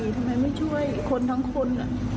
ทำไมไม่ช่วยคนทั้งคน